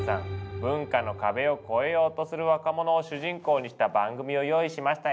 文化の壁を越えようとする若者を主人公にした番組を用意しましたよ。